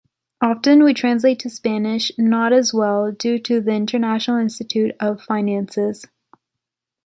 Often we translate to Spanish, not as well, due to the “International Institute of Finances”.